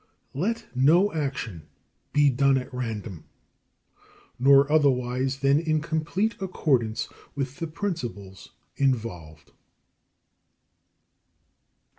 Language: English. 2. Let no action be done at random, nor otherwise than in complete accordance with the principles involved.